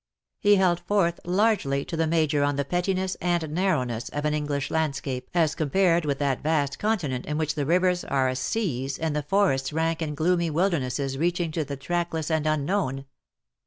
He held forth largely to the Major on the pettiness and narrowness of an English landscape as compared with that vast continent in which the rivers are as seas and the forests rank and gloomy wildernesses reaching to the trackless and unknown.